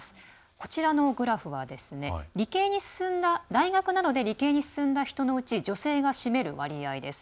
こちらのグラフは大学などで理系に進んだ人のうち女性が占める割合です。